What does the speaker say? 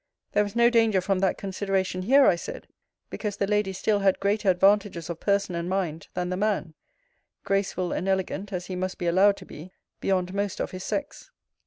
There was no danger from that consideration here, I said, because the lady still had greater advantages of person and mind, than the man; graceful and elegant, as he must be allowed to be, beyond most of his sex.